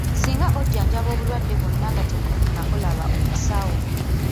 Singa ojjanjaba obulwadde bwonna nga tebukyukako laba omusawo.